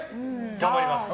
頑張ります。